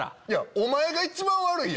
お前が一番悪いやん！